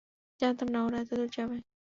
জানতাম না ওরা এতদূর যাবে।